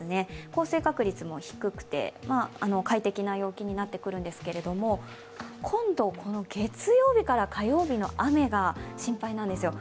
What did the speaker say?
降水確率も低くて快適な陽気になってくるんですけれども今度、この月曜日から火曜日の雨が心配なんですよ。